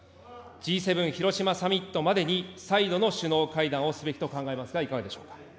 Ｇ７広島サミットまでに再度の首脳会談をすべきと考えますが、いかがでしょう。